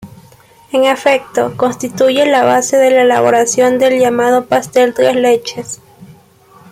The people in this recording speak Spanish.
En efecto, constituye la base de la elaboración del llamado pastel tres leches.